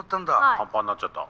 パンパンになっちゃった。